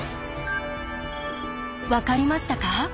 分かりましたか？